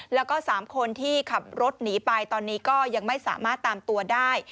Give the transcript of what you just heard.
แล้วก็๓คนที่ขับรถหนีไปตอนนี้ก็ยังไม่สามารถตามตัวได้